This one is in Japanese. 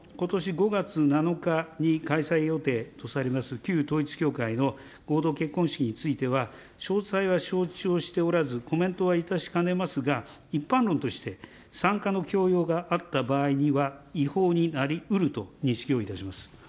５月７日に開催予定とされます、旧統一教会の合同結婚式については、詳細は承知をしておらず、コメントは致しかねますが、一般論として、参加の強要があった場合には、違法になりうると認識をいたします。